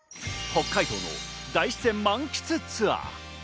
北海道の大自然満喫ツアー。